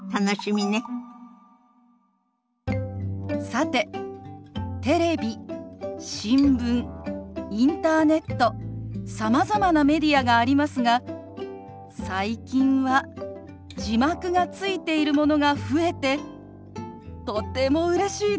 さてテレビ新聞インターネットさまざまなメディアがありますが最近は字幕がついているものが増えてとてもうれしいです。